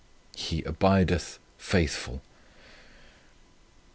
"HE ABIDETH FAITHFUL."